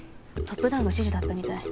トップダウンの指示だったみたい。